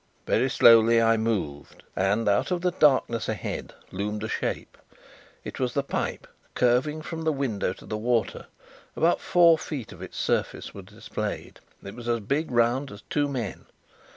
Very slowly I moved; and out of the darkness ahead loomed a shape. It was the pipe, curving from the window to the water: about four feet of its surface were displayed; it was as big round as two men.